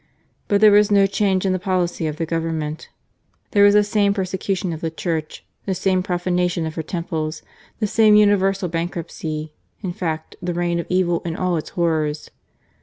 But there was no change in the policy of the Government. There was the same persecution of the Church, the same profanation of her temples, the same universal bankruptcy — in fact the reign of evil in all its horrors.